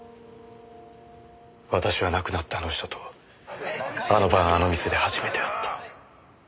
私は亡くなったあの人とあの晩あの店で初めて会った。